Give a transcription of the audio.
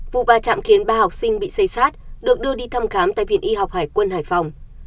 vụ va chạm khiến ba học sinh bị xây sát được đưa đi thăm khám tại viện y học hải quân hải phòng